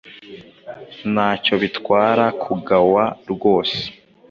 ntacyo bibatwara kugawa rwose